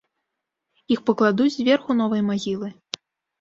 Іх пакладуць зверху новай магілы.